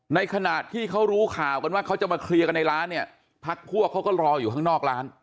ในขณะที่เขารู้ข่าวกันว่าเขาจะมาเคลียร์กันในร้านเนี่ยพักพวกเขาก็รออยู่ข้างนอกร้าน